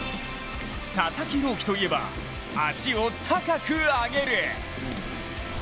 佐々木朗希といえば足を高く上げる。